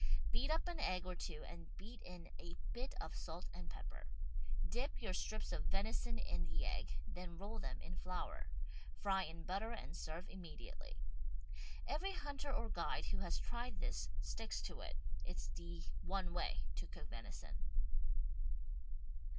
Beat up an egg or two and beat in a bit of salt and pepper. Dip your strips of venison in the egg, then roll them in flour. Fry in butter and serve immediately. Every hunter or guide who has tried this sticks to it. It's the one way to cook venison.